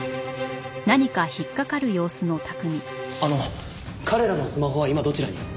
あの彼らのスマホは今どちらに？